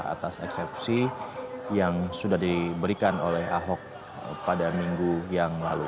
atas eksepsi yang sudah diberikan oleh ahok pada minggu yang lalu